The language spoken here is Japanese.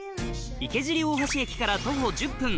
池尻大橋駅から徒歩１０分